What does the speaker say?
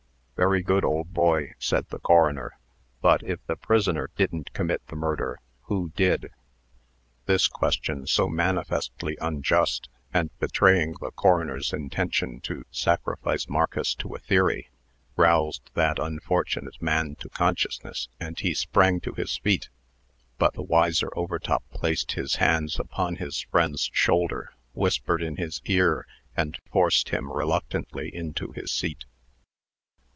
"Very good, old boy," said the coroner; "but, if the prisoner didn't commit the murder, who did?" This question, so manifestly unjust, and betraying the coroner's intention to sacrifice Marcus to a theory, roused that unfortunate man to consciousness, and he sprang to his feet. But the wiser Overtop placed his hands upon his friend's shoulder, whispered in his ear, and forced him reluctantly into his seat.